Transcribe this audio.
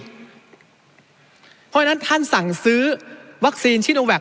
เพราะฉะนั้นท่านสั่งซื้อวัคซีนชิโนแวค